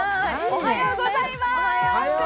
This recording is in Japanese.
おはようございます！